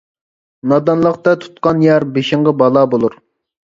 نادانلىقتا تۇتقان يار، بېشىڭغا بالا بولۇر.